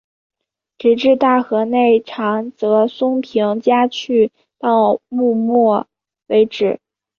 直至大河内长泽松平家去到幕末为止。